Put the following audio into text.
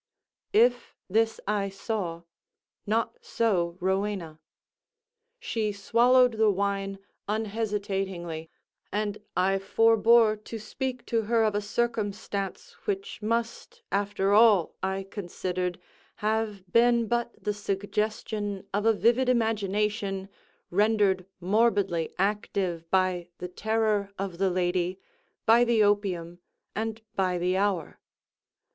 If this I saw—not so Rowena. She swallowed the wine unhesitatingly, and I forbore to speak to her of a circumstance which must, after all, I considered, have been but the suggestion of a vivid imagination, rendered morbidly active by the terror of the lady, by the opium, and by the hour.